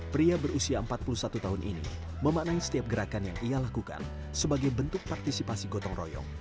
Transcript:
pria berusia empat puluh satu tahun ini memaknai setiap gerakan yang ia lakukan sebagai bentuk partisipasi gotong royong